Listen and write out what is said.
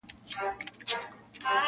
• بيا به تاوکي چنګ برېتونه -